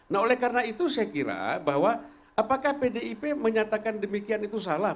nah oleh karena itu saya kira bahwa apakah pdip menyatakan demikian itu salah